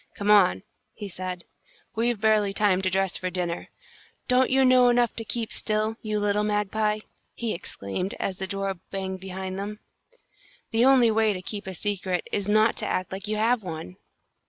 "Come on," he said. "We've barely time to dress for dinner. Don't you know enough to keep still, you little magpie?" he exclaimed, as the door banged behind them. "The only way to keep a secret is not to act like you have one!"